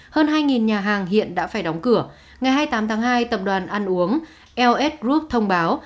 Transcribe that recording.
hơn hai nhà hàng hiện đã phải đóng cửa ngày hai mươi tám tháng hai tập đoàn ăn uống ls group thông báo